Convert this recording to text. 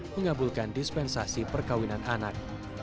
mengabulkan dispensasi perkawinan anak